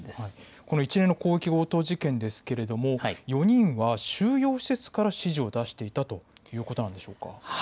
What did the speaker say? この一連の広域強盗事件ですけれども４人は収容施設から指示を出していたということなんでしょうか。